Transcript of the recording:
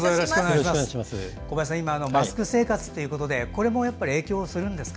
小林さんマスク生活ということでこれも影響するんですか？